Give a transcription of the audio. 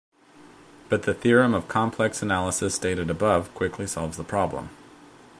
But the theorem of complex analysis stated above quickly solves the problem.